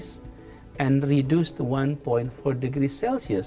dan mengurangi ke satu empat derajat celcius